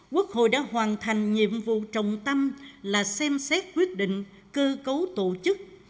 quốc hội đã hoàn thành nhiệm vụ trọng tâm là xem xét quyết định cơ cấu tổ chức